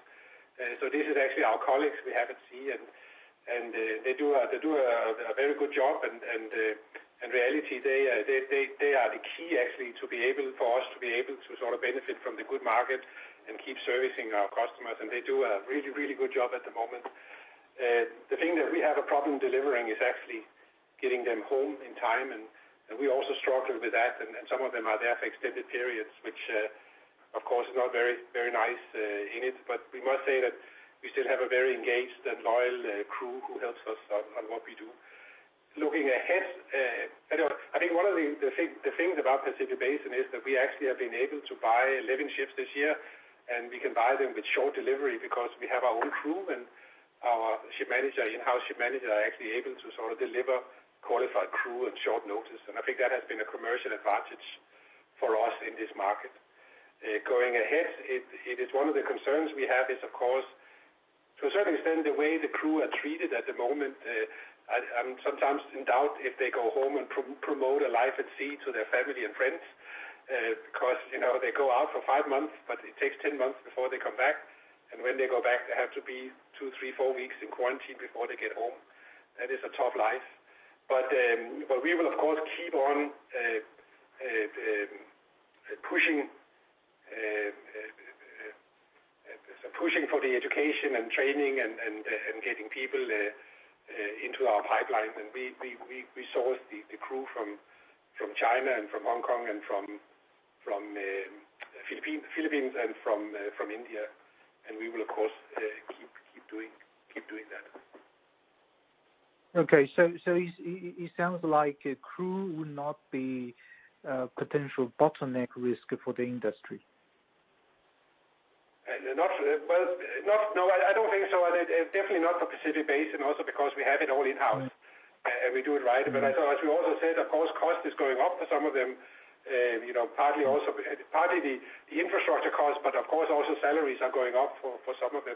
This is actually our colleagues we haven't seen, and they do a very good job. In reality, they are the key actually for us to be able to sort of benefit from the good market and keep servicing our customers. They do a really good job at the moment. The thing that we have a problem delivering is actually getting them home in time, and we also struggle with that. Some of them are there for extended periods, which, of course, is not very nice in it. We must say that we still have a very engaged and loyal crew who helps us on what we do. Looking ahead, I think one of the things about Pacific Basin is that we actually have been able to buy 11 ships this year, and we can buy them with short delivery because we have our own crew and our in-house ship managers are actually able to sort of deliver qualified crew at short notice. I think that has been a commercial advantage for us in this market. Going ahead, it is one of the concerns we have is, of course, to a certain extent, the way the crew are treated at the moment. I'm sometimes in doubt if they go home and promote a life at sea to their family and friends, because they go out for five months, but it takes 10 months before they come back. When they go back, they have to be two, three, four weeks in quarantine before they get home. That is a tough life. We will, of course, keep on pushing for the education and training and getting people into our pipeline. We source the crew from China and from Hong Kong and from Philippines and from India. We will, of course, keep doing that. Okay. It sounds like crew would not be a potential bottleneck risk for the industry. No, I don't think so. Definitely not for Pacific Basin, also because we have it all in-house and we do it right. As we also said, of course, cost is going up for some of them, partly the infrastructure cost, but of course also salaries are going up for some of them.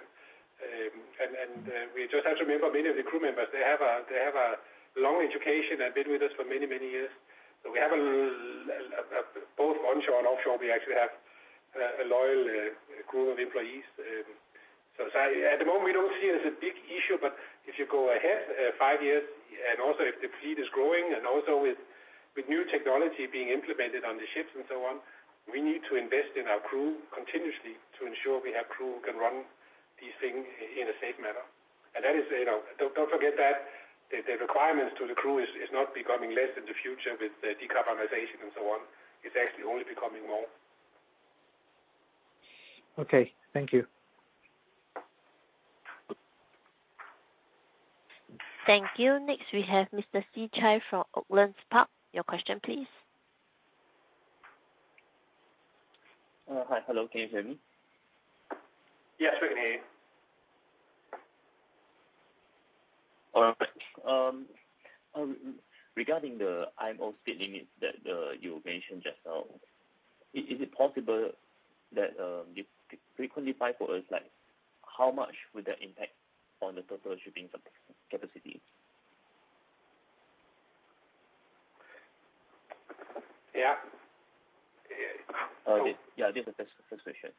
We just have to remember many of the crew members, they have a long education and been with us for many years. Both onshore and offshore, we actually have a loyal crew of employees. At the moment, we don't see it as a big issue, but if you go ahead five years, and also if the fleet is growing, and also with new technology being implemented on the ships and so on, we need to invest in our crew continuously to ensure we have crew who can run these things in a safe manner. Don't forget that the requirements to the crew is not becoming less in the future with the decarbonization and so on. It's actually only becoming more. Okay. Thank you. Thank you. Next, we have Mr. Ngoi Se Chai from Oaklands Path. Your question, please. Hi. Hello, can you hear me? Yes, we can hear you. All right. Regarding the IMO speed limits that you mentioned just now, how much would that impact on the total shipping capacity? Yeah. Yeah, this is the first question.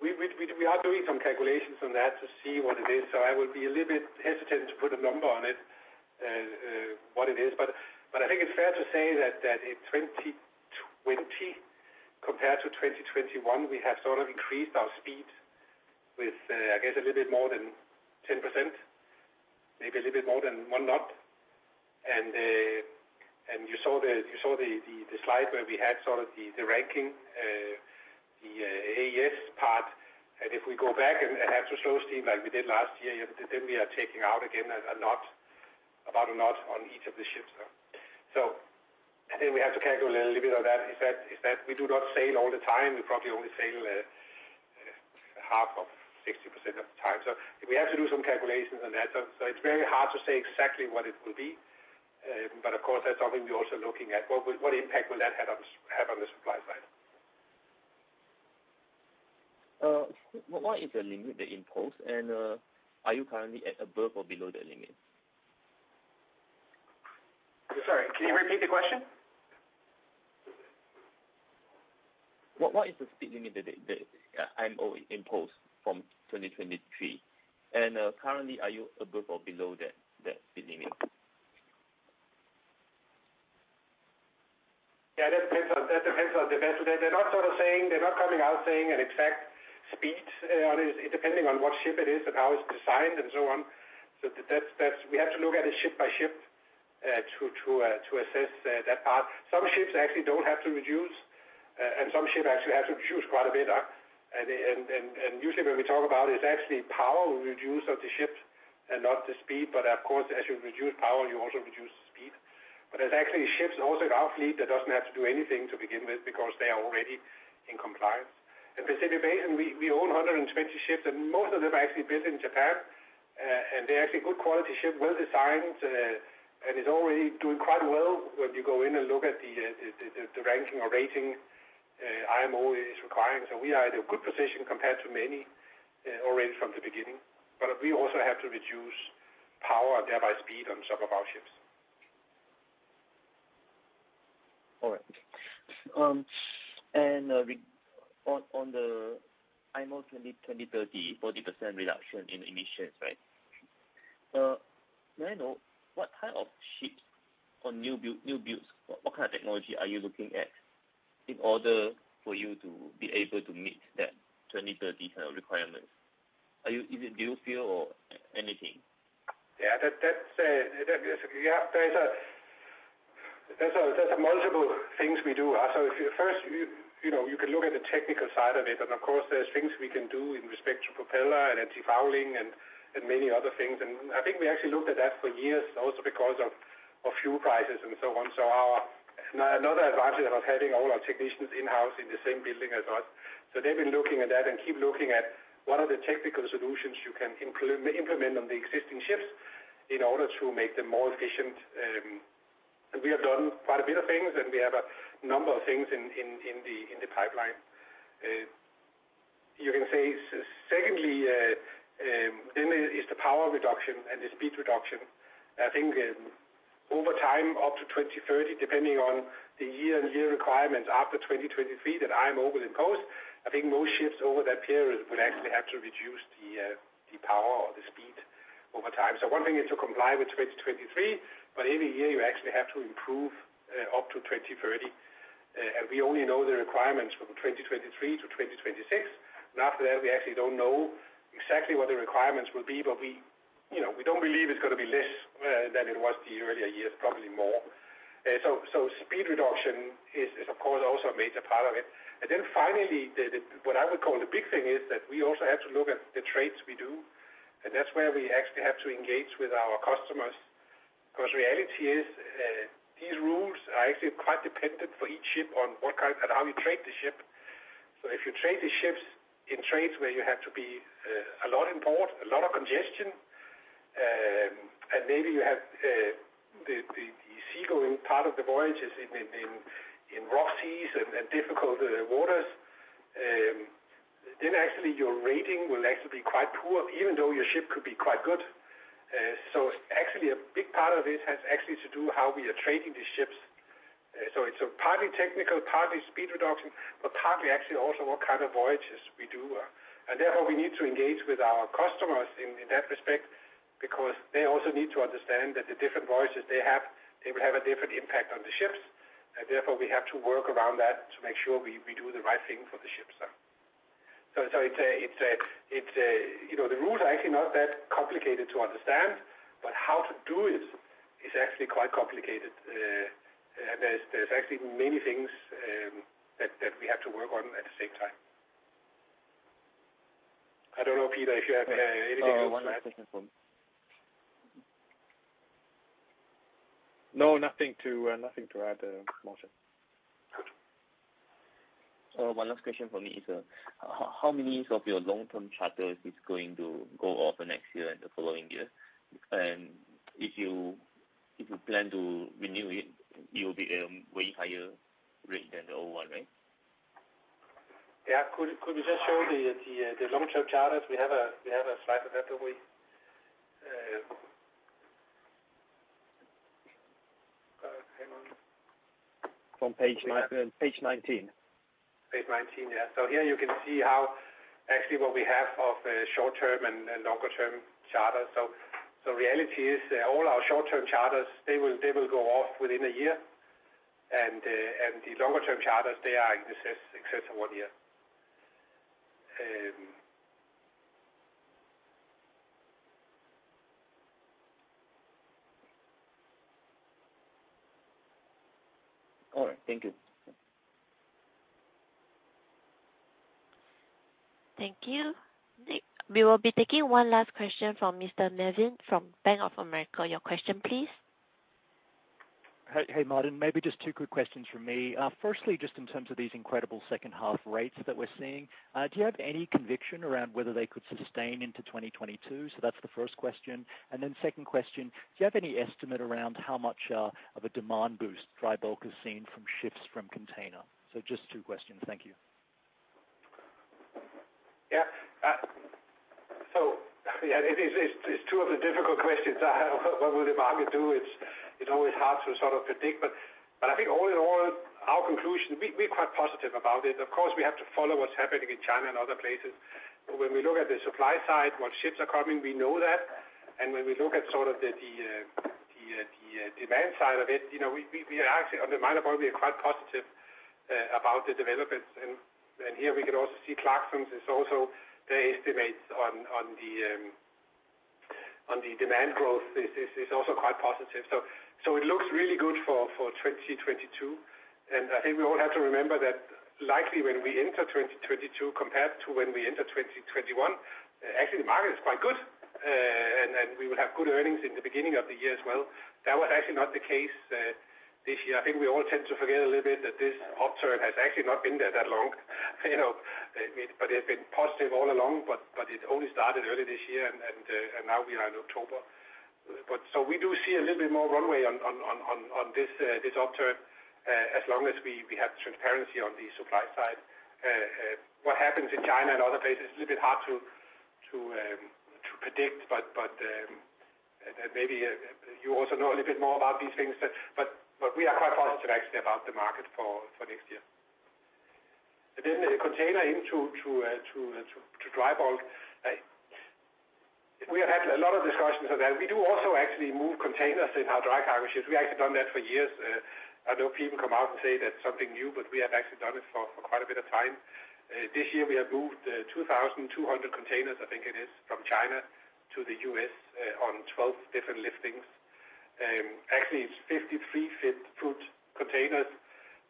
We are doing some calculations on that to see what it is. I would be a little bit hesitant to put a number on it, what it is. I think it's fair to say that in 2020, compared to 2021, we have sort of increased our speed with, I guess a little bit more than 10%, maybe a little bit more than one knot. You saw the slide where we had sort of the ranking, the EEXI part, and if we go back and have to slow steam like we did last year, then we are taking out again about a knot on each of the ships. Then we have to calculate a little bit of that, is that, we do not sail all the time. We probably only sail half of 60% of the time. We have to do some calculations on that. It's very hard to say exactly what it will be. Of course, that's something we're also looking at. What impact will that have on the supply side? What is the limit, the impulse? Are you currently at above or below the limit? Sorry, can you repeat the question? What is the speed limit that IMO imposed from 2023? Currently, are you above or below that speed limit? Yeah, that depends on the vessel. They're not coming out saying an exact speed on it. Depending on what ship it is and how it's designed and so on. We have to look at it ship by ship, to assess that part. Some ships actually don't have to reduce, and some ships actually have to reduce quite a bit. Usually, when we talk about it's actually power reduce of the ships and not the speed. Of course, as you reduce power, you also reduce speed. There's actually ships also in our fleet that doesn't have to do anything to begin with because they are already in compliance. In Pacific Basin, we own 120 ships, and most of them are actually built in Japan. They're actually good quality ship, well-designed, and is already doing quite well when you go in and look at the ranking or rating IMO is requiring. We are in a good position compared to many, already from the beginning. We also have to reduce power and thereby speed on some of our ships. On the IMO 2030, 40% reduction in emissions, right? May I know what kind of ships or new builds, what kind of technology are you looking at in order for you to be able to meet that 2030 kind of requirements? Do you feel or anything? Yeah. There's multiple things we do. First, you can look at the technical side of it, and of course, there's things we can do in respect to propeller and antifouling and many other things. I think we actually looked at that for years also because of fuel prices and so on. Another advantage of having all our technicians in-house in the same building as us, so they've been looking at that and keep looking at what are the technical solutions you can implement on the existing ships in order to make them more efficient. We have done quite a bit of things, and we have a number of things in the pipeline. You can say, secondly, it's the power reduction and the speed reduction. I think over time, up to 2030, depending on the year and year requirements after 2023 that IMO will impose, I think most ships over that period will actually have to reduce the power or the speed over time. One thing is to comply with 2023, but every year you actually have to improve up to 2030. We only know the requirements from 2023 to 2026. After that, we actually don't know exactly what the requirements will be, but we don't believe it's going to be less than it was the earlier years, probably more. Speed reduction is of course, also a major part of it. Finally, what I would call the big thing is that we also have to look at the trades we do, and that's where we actually have to engage with our customers. Reality is, these rules are actually quite dependent for each ship on what kind and how you trade the ship. If you trade the ships in trades where you have to be a lot in port, a lot of congestion, and maybe you have the sea going part of the voyage is in rough seas and difficult waters, then actually your rating will actually be quite poor even though your ship could be quite good. Actually, a big part of it has actually to do how we are trading the ships. It's partly technical, partly speed reduction, but partly actually also what kind of voyages we do. Therefore, we need to engage with our customers in that respect because they also need to understand that the different voyages they have, they will have a different impact on the ships, and therefore we have to work around that to make sure we do the right thing for the ships. The route actually not that complicated to understand, but how to do it is actually quite complicated. There's actually many things that we have to work on at the same time. I don't know, Peter, if you have anything else to add. No. One last question. No, nothing to add, Martin. Good. One last question for me is, how many of your long-term charters is going to go off next year and the following year? If you plan to renew it, you'll be way higher rate than the old one, right? Yeah. Could we just show the long-term charters? We have a slide for that, don't we? Hang on. From page 19. Page 19. Yeah. Here you can see how actually what we have of short-term and longer-term charters. Reality is all our short-term charters, they will go off within a year. The longer-term charters, they are in excess of one year. All right. Thank you. Thank you. We will be taking one last question from Mr. Mervyn from Bank of America. Your question, please. Hey, Martin. Maybe just two quick questions from me. Just in terms of these incredible second half rates that we're seeing, do you have any conviction around whether they could sustain into 2022? That's the first question. Second question, do you have any estimate around how much of a demand boost dry bulk has seen from shifts from container? Just two questions. Thank you. Yeah. It's two of the difficult questions. What will the market do? It's always hard to sort of predict, but I think all in all, our conclusion, we're quite positive about it. Of course, we have to follow what's happening in China and other places. When we look at the supply side, what ships are coming, we know that. When we look at sort of the demand side of it, we are actually, on the minor bulk, we are quite positive about the developments. Here we can also see Clarksons is also, their estimates on the demand growth is also quite positive. It looks really good for 2022. I think we all have to remember that likely when we enter 2022 compared to when we entered 2021, actually the market is quite good. We will have good earnings in the beginning of the year as well. That was actually not the case this year. I think we all tend to forget a little bit that this upturn has actually not been there that long. It had been positive all along, but it only started early this year, and now we are in October. We do see a little bit more runway on this upturn, as long as we have transparency on the supply side. What happens in China and other places, it's a little bit hard to predict, but maybe you also know a little bit more about these things. We are quite positive actually about the market for next year. Then container into dry bulk. We have had a lot of discussions on that. We do also actually move containers in our dry cargo ships. We've actually done that for years. I know people come out and say that's something new, but we have actually done it for quite a bit of time. This year we have moved 2,200 containers, I think it is, from China to the U.S. on 12 different liftings. Actually, it's 53 foot containers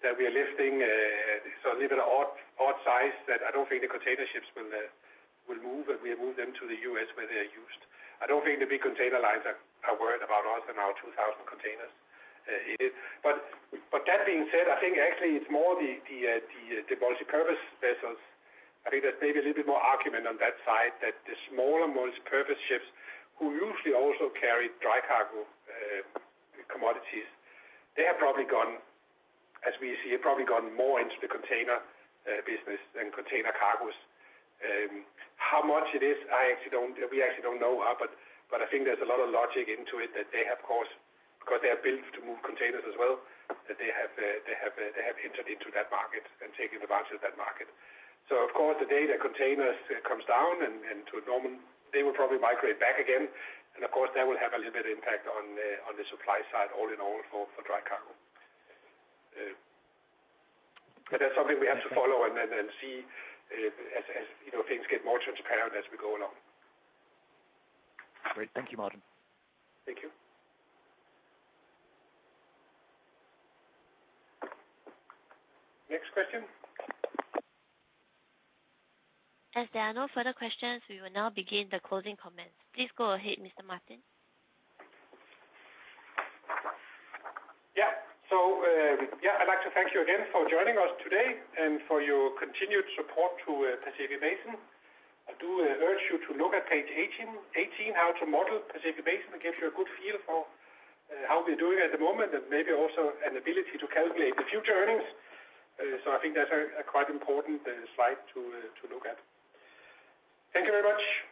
that we are lifting. A little bit odd size that I don't think the container ships will move, and we move them to the U.S. where they are used. I don't think the big container lines are worried about us and our 2,000 containers. That being said, I think actually it's more the multipurpose vessels. I think there's maybe a little bit more argument on that side that the smaller multipurpose ships who usually also carry dry cargo, commodities, they have probably gone, as we see, have probably gone more into the container business than container cargoes. How much it is, we actually don't know. I think there's a lot of logic into it that they have, of course, because they are built to move containers as well, that they have entered into that market and taken advantage of that market. Of course, the day the containers comes down and to a normal, they will probably migrate back again. Of course, that will have a little bit of impact on the supply side all in all for dry cargo. That's something we have to follow and then see as things get more transparent as we go along. Great. Thank you, Martin. Thank you. Next question. As there are no further questions, we will now begin the closing comments. Please go ahead, Mr. Martin. Yeah. I'd like to thank you again for joining us today and for your continued support to Pacific Basin. I do urge you to look at page 18, how to model Pacific Basin. It gives you a good feel for how we're doing at the moment and maybe also an ability to calculate the future earnings. I think that's a quite important slide to look at. Thank you very much.